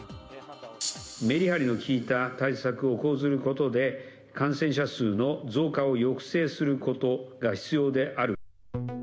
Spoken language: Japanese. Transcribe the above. メリハリの利いた対策を講ずることで、感染者数の増加を抑制することが必要である。